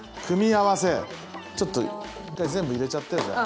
ちょっと一回全部入れちゃってじゃあ。